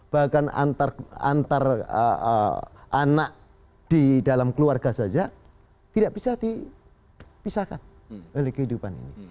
bahkan antar anak di dalam keluarga saja tidak bisa dipisahkan oleh kehidupan ini